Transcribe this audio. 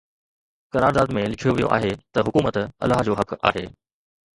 قرارداد ۾ لکيو ويو آهي ته حڪومت الله جو حق آهي.